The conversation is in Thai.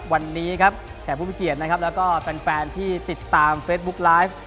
วันนี้ครับแขกผู้มีเกียรตินะครับแล้วก็แฟนที่ติดตามเฟซบุ๊กไลฟ์